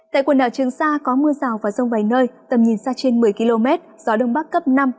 tại quần đảo trường sa có mưa rào và rông vài nơi tầm nhìn xa trên một mươi km gió đông bắc cấp năm